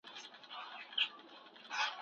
تاسي ولي د هیلو پر لاره له همېشهو څخه وېرېږئ؟